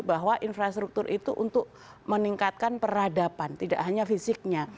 bahwa infrastruktur itu untuk meningkatkan peradaban tidak hanya fisiknya